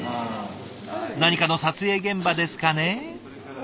何かの撮影現場ですかね。